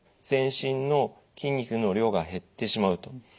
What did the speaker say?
全身の筋肉の量が減ってしまうと。